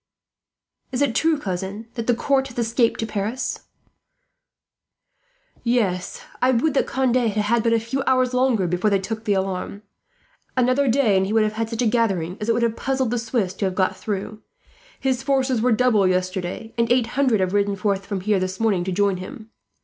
"Is it true, cousin, that the court has escaped to Paris?" "Yes. I would that Conde had had but a few hours longer, before they took the alarm. Another day, and he would have had such a gathering as it would have puzzled the Swiss to have got through. His forces were doubled yesterday, and eight hundred have ridden forth from here this morning to join him.